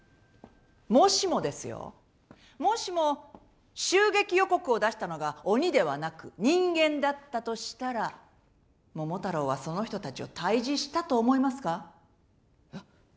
もしもですよもしも襲撃予告を出したのが鬼ではなく人間だったとしたら桃太郎はその人たちを退治したと思いますか？